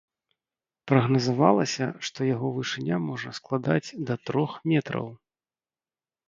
Прагназавалася, што яго вышыня можа складаць да трох метраў.